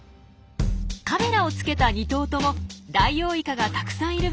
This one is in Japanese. カメラをつけた２頭ともダイオウイカがたくさんいる場所を移動していました。